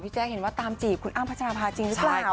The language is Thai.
หน้าคุณคันนี่คือไฮโซโพกหน้าเอง